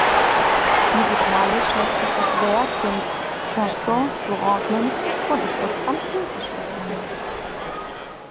Musikalisch lässt sich das Werk dem Chanson zuordnen und ist auf Französisch gesungen.